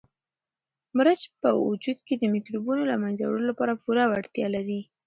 مرچ په وجود کې د مکروبونو د له منځه وړلو لپاره پوره وړتیا لري.